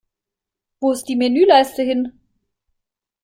Wo ist die Menüleiste hin?